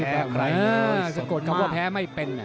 ใครสะกดคำว่าแพ้ไม่เป็น